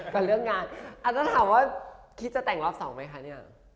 กับเรื่องงานอาจจะถามว่าคิดจะแต่งรอบสองไหมคะเนี่ย